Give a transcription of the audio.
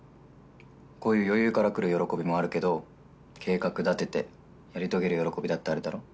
こういう余裕からくる喜びもあるけど計画立ててやり遂げる喜びだってあるだろ？